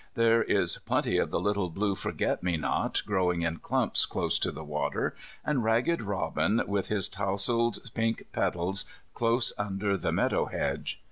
There is plenty of the little blue forget me not growing in clumps close to the water, and ragged robin, with his touzled pink petals close under the meadow hedge.